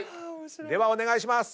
ではお願いします。